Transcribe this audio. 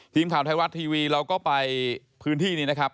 ทีมข่าวไทยรัฐทีวีเราก็ไปพื้นที่นี้นะครับ